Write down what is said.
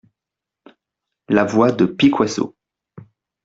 La voix de Piquoiseau.